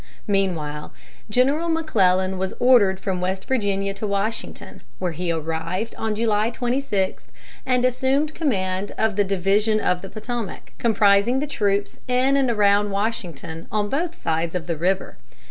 Meanwhile, General McClellan was ordered from West Virginia to Washington, where he arrived on July 26, and assumed command of the Division of the Potomac, comprising the troops in and around Washington on both sides of the river.